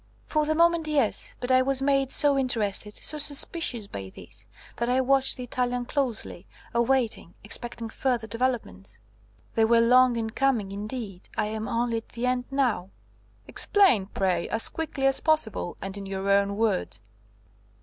"For the moment, yes. But I was made so interested, so suspicious by this, that I watched the Italian closely, awaiting, expecting further developments. They were long in coming; indeed, I am only at the end now." "Explain, pray, as quickly as possible, and in your own words."